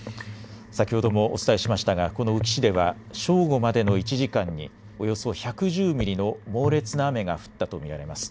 先ほどもお伝えしましたがこの宇城市では正午までの１時間におよそ１１０ミリの猛烈な雨が降ったと見られます。